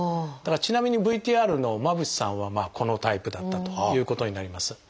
ちなみにＶＴＲの間渕さんはこのタイプだったということになります。